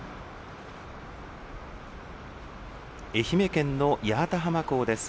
愛媛県の八幡浜港です。